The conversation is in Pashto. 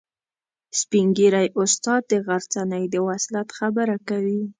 سپین ږیری استاد د غرڅنۍ د وصلت خبره کوي.